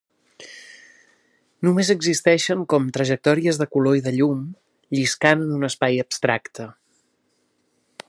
Només existeixen com trajectòries de color i de llum lliscant en un espai abstracte.